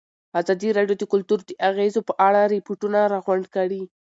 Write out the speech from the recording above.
ازادي راډیو د کلتور د اغېزو په اړه ریپوټونه راغونډ کړي.